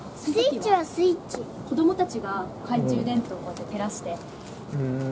子供たちが懐中電灯をこうやって照らして。